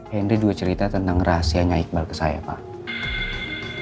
henry juga cerita tentang rahasianya iqbal ke saya pak